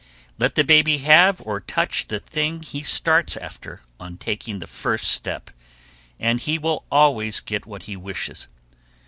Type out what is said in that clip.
Let the baby have or touch the thing he starts after on taking the first step, and he will always get what he wishes.